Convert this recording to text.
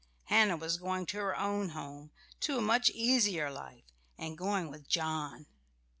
Hannah was going to her own home, to a much easier life, and going with John.